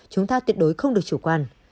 chúng ta tuyệt đối không được chủ quan